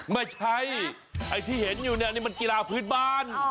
ไม่ใช่ไอ้ที่เห็นอยู่เนี่ยนี่มันกีฬาพื้นบ้าน